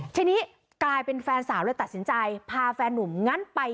ทีนี้กลายเป็นแฟนสาวเลยตัดสินใจพาแฟนนุ่มงั้นไป